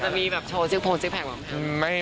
จะมีแบบโชว์ซิกแพคหรือเปล่า